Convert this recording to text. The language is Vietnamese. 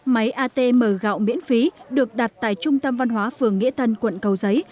máy atm gạo miễn phí được đặt tại trung tâm văn hóa phường nghĩa thân quận cầu giấy